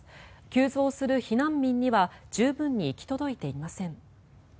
急増する避難民には十分に行き届いていません。